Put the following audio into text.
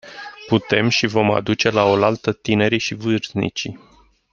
Putem și vom aduce laolaltă tinerii și vârstnicii.